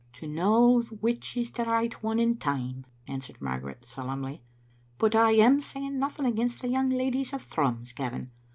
"To know which is the right one in time," answered Margaret, solemnly. "But I am saying nothing against the young ladies of Thrums, Gavin.